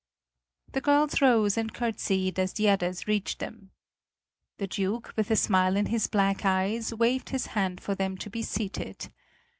The girls rose and courtesied as the others reached them. The Duke, with a smile in his black eyes, waved his hand for them to be seated.